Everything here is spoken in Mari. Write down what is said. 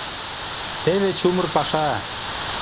Теве чумыр паша...